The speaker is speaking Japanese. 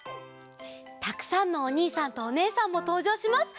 たくさんのおにいさんとおねえさんもとうじょうします。